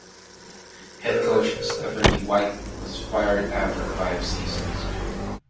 Head coach Stephanie White was fired after five seasons.